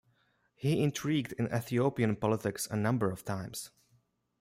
He intrigued in Ethiopian politics a number of times.